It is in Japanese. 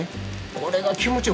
これが気持ちいい。